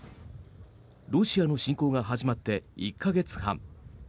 ロシアの侵攻が始まって１か月半。